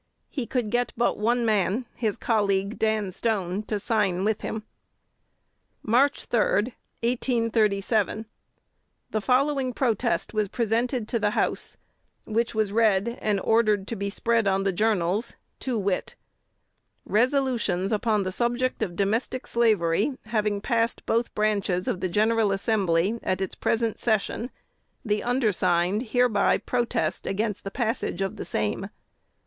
He could get but one man his colleague, Dan Stone to sign with him. March 3,1837. The following protest was presented to the House, which was read, and ordered to be spread on the journals, to wit: Resolutions upon the subject of domestic slavery having passed both branches of the General Assembly at its present session, the undersigned hereby protest against the passage of the same.